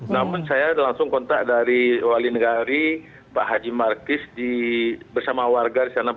namun saya langsung kontak dari wali negara pak haji markis bersama warga di sana